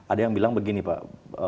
ada yang bilang begini pak